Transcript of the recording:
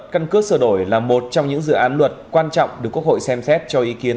căn cước sửa đổi là một trong những dự án luật quan trọng được quốc hội xem xét cho ý kiến